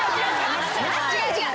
違う違う。